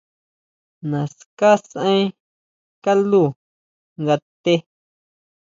Naská sʼaen kaló nga té.